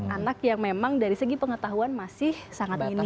anak yang memang dari segi pengetahuan masih sangat minim